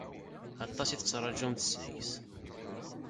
Aṭas i tettṛaǧumt seg-s.